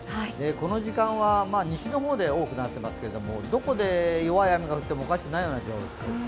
この時間は西の方で多くなっていますけれどもどこで弱い雨が降ってもおかしくないような状況。